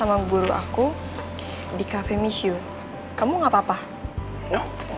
aku balik ke kelas ya aku belajar dulu